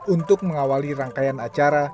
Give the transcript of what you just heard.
untuk mengawali rangkaian acara